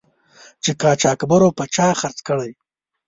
چې قاچاقبرو په چا خرڅ کړی.